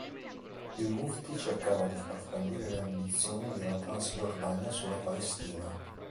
Il Muftī cercava di far fallire le ambizioni della Transgiordania sulla Palestina.